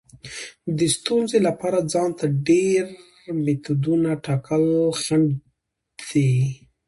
د ستونزې لپاره ځان ته ډیر میتودونه ټاکل خنډ دی.